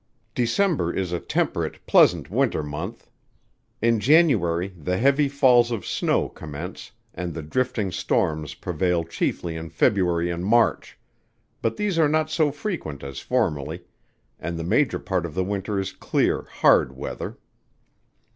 December is a temperate, pleasant winter month. In January the heavy falls of snow commence, and the drifting storms prevail chiefly in February and March; but these are not so frequent as formerly, and the major part of the winter is clear, hard weather.